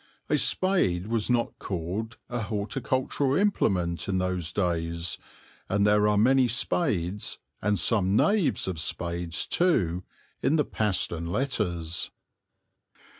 A spade was not called a horticultural implement in those days, and there are many spades, and some knaves of spades too, in the Paston Letters.